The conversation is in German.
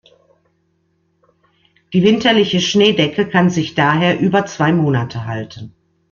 Die winterliche Schneedecke kann sich daher über zwei Monate halten.